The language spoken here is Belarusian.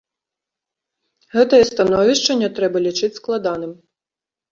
Гэтае становішча не трэба лічыць складаным.